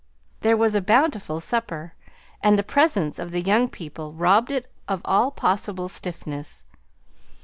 There was a bountiful supper, and the presence of the young people robbed it of all possible stiffness.